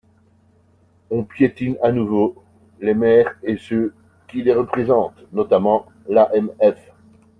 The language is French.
On piétine à nouveau les maires et ceux qui les représentent, notamment l’AMF.